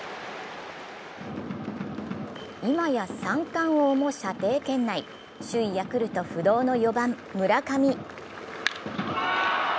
今や三冠王も射程圏内首位・ヤクルト不動の４番・村上。